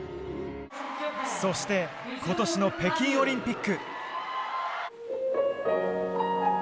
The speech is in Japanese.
そして、ことしの北京オリンピック。